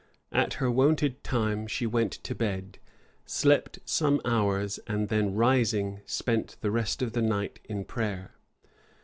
At her wonted time, she went to bed; slept some hours; and, then rising, spent the rest of the night in prayer.